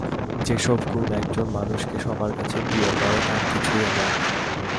যেসব গুণ একজন মানুষকে সবার কাছে প্রিয় করে তার কিছুই আমার নেই।